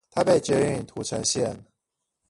台北捷運土城線